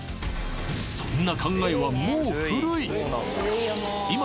そんな考えはもう古い！